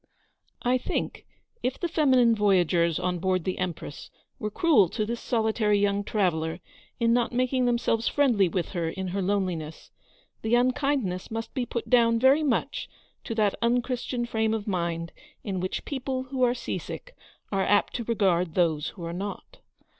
I think, if the feminine voyagers on board the " Empress " were cruel to this solitary young traveller in not making themselves friendly with her in her loneliness, the unkindness must be put down very much to that unchristian frame of mind in which people who are sea sick are apt to regard those who are not.